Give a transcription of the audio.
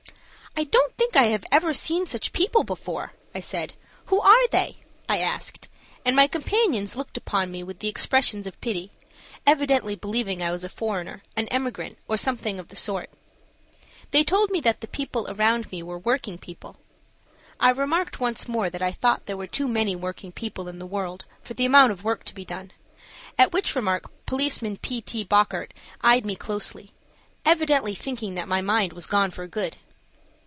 "I don't think I have ever seen such people before," I said. "Who are they?" I asked, and my companions looked upon me with expressions of pity, evidently believing I was a foreigner, an emigrant or something of the sort. They told me that the people around me were working people. I remarked once more that I thought there were too many working people in the world for the amount of work to be done, at which remark Policeman P. T. Bockert eyed me closely, evidently thinking that my mind was gone for good.